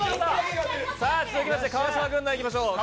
続きまして川島軍団いきましょう。